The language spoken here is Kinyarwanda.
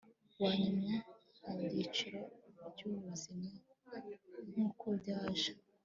wanyura mubyiciro byubuzima nkuko byaje